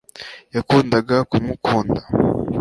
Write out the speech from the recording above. yakundaga kumukunda